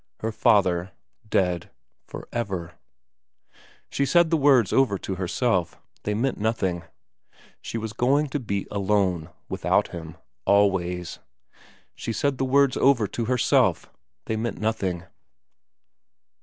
Her father. Dead. For ever. She said the words over to herself. They meant nothing. She was going to be alone. Without him. Always. She said the words over to herself. They meant nothing.